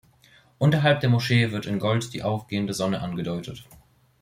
Unterhalb der Moschee wird in Gold die aufgehende Sonne angedeutet.